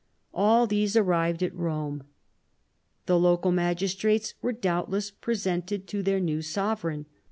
All these ar rived at Rome. The local magistrates were doubt less presented to their new sovereign.